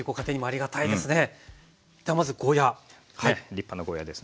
立派なゴーヤーですね。